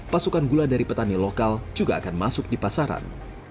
pasukan gula dari petani lokal juga akan masuk di pasaran